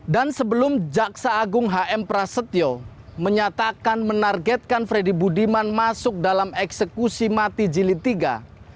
dan sebelum jaksa agung hm prasetyo menyatakan menargetkan freddy budiman masuk dalam eksekusi mati jilid tiga